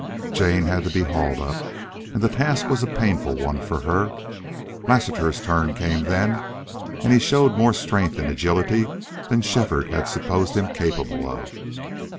Jane had to be hauled up, and the task was a painful one for her. Lassiter's turn came then, and he showed more strength and agility than Shefford had supposed him capable of.